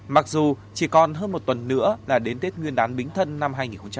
mặc dù chỉ còn hơn một tuần nữa là đến tết nguyên đán bính thân năm hai nghìn hai mươi